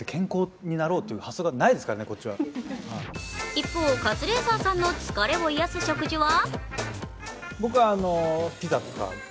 一方、カズレーザーさんの疲れを癒やす食事は？